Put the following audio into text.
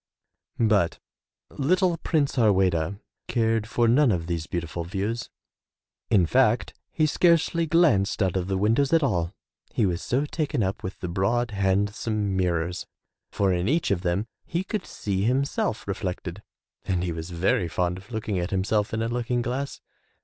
But little Prince Harweda cared for none of these beautiful views. In fact, he scarcely glanced out of the windows at all, he was so taken up with the broad, handsome mirrors, for in each of them he could see himself reflected and he was very fond of looking at himself in a looking glass.